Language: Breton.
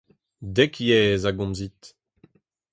Dek yezh a gomzit.